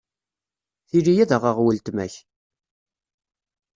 Tili ad aɣeɣ weltma-k.